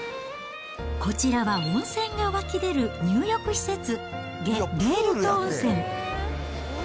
こちらは温泉が湧き出る入浴施設、ゲッレールト温泉。